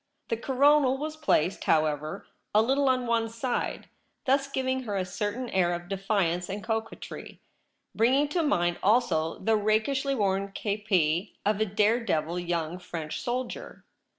The coronal was placed, however, a little on one side, thus giving her a certain air of ■defiance and coquetry, bringing to mind, also, the rakishly worn /c(fpi of a dare devil young French soldier.